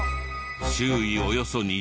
周囲およそ２０キロ。